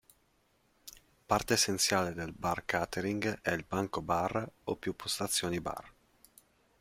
Parte essenziale del bar catering è il banco bar o più postazioni bar.